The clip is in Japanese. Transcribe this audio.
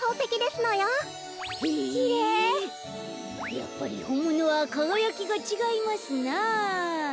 やっぱりほんものはかがやきがちがいますな。